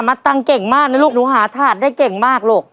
ตังค์เก่งมากนะลูกหนูหาถาดได้เก่งมากลูก